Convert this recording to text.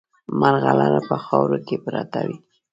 مرغلره په خاورو کې پرته وي.